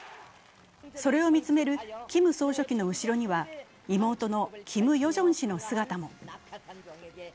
それを見つめるキム総書記の後ろには妹のキム・ヨジョン氏の姿も。